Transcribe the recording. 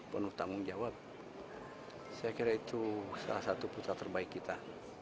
putra terbaik itb